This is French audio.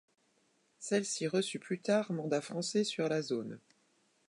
Celle-ci reçut plus tard Mandat français sur la zone.